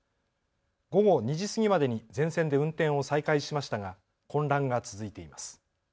午後２時過ぎまでに全線で運転を再開しましたが混乱が続いています。